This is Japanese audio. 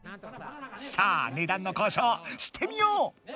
さあ値段の交渉してみよう！